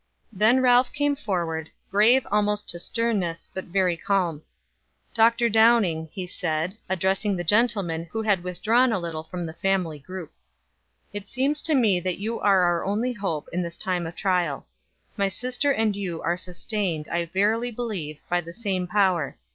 Then Ralph came forward, grave almost to sternness, but very calm. "Dr. Downing," he said, addressing the gentleman who had withdrawn a little from the family group. "It seems to me that you are our only hope in this time of trial. My sister and you are sustained, I verily believe, by the same power.